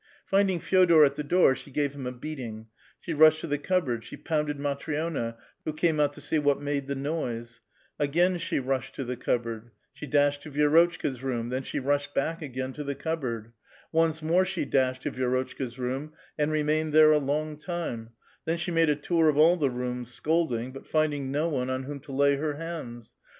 Finding Fe6dor at the door, she gave him a beating; she rushed to the cup lK>anl ; she pounded Matri6na, who came oat to sec what made the noise ; again she rushed to the cuplK>ard ; she dashed to ^'ie^otehka's room, then she rushed back again to the cupl>oanl ; once more she dashed to Vi^rotchka's room, and remniueil there a long time ; then she made a tour of all the rooms, scolding, but tinding no one on whom to lay her hands.